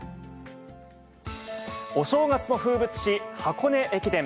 お正月の風物詩、箱根駅伝。